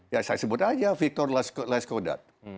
ya saya sebut aja victor laskodat